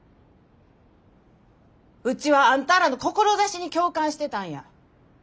うちはあんたらの志に共感してたんや。